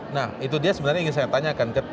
nah itu dia sebenarnya ingin saya tanyakan